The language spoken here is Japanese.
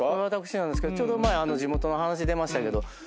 私なんですけどちょうど地元の話出ましたけど。